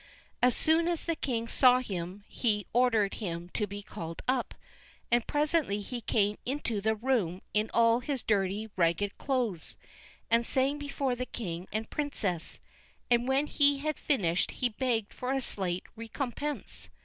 As soon as the king saw him he ordered him to be called up, and presently he came into the room in all his dirty, ragged clothes, and sang before the king and princess, and when he had finished he begged for a slight recompense.